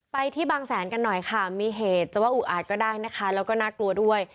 ไปที่บางแสนกันหน่อยค่ะมีเหตุจะว่าอุอาจก็ได้นะคะแล้วก็น่ากลัวด้วย